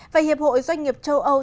và hiệp hội doanh nghiệp châu âu